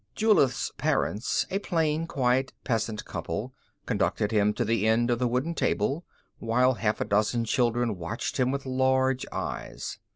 Julith's parents, a plain, quiet peasant couple, conducted him to the end of the wooden table, while half a dozen children watched him with large eyes.